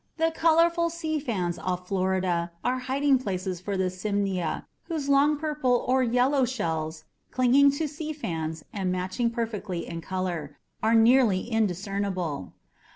The colorful seafans off Florida are hiding places for the SIMNIA whose long purple or yellow shells, clinging to sea fans and matching perfectly in color, are nearly indiscernible.